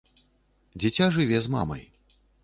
Дзіця жыве з мамай.